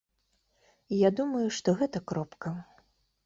Я думаю, што гэта кропка.